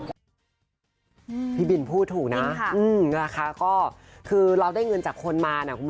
พี่บินพูดถูกนะนะคะก็คือเราได้เงินจากคนมานะคุณผู้ชม